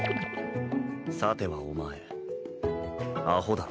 さてはお前アホだろ。